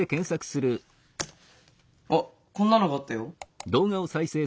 あっこんなのがあったよ。